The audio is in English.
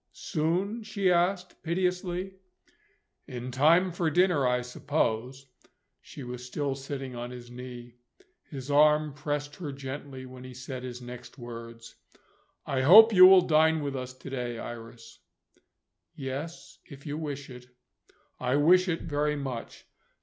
"Soon?" she asked, piteously. "In time for dinner, I suppose." She was still sitting on his knee. His arm pressed her gently when he said his next words, "I hope you will dine with us to day, Iris?" "Yes if you wish it." "I wish it very much.